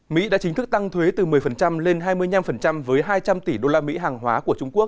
mỹ đã chính thức tăng thuế từ một mươi lên hai mươi năm với hai trăm linh tỷ usd hàng hóa của trung quốc